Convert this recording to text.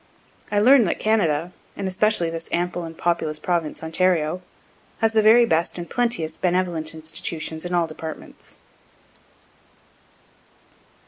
I learn that Canada, and especially this ample and populous province, Ontario, has the very best and plentiest benevolent institutions in all departments.